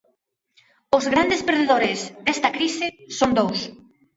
Os grandes perdedores desta crise son dous.